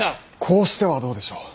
こうしてはどうでしょう。